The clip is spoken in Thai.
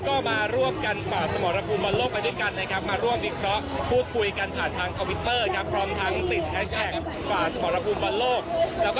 ช่อง๓๒นะครับตั้งแต่สิบแปดนาฬิกาสามสิบนาทีเป็นต้นไปครับ